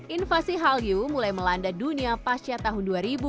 invasi hallyu mulai melanda dunia pasca tahun dua ribu dua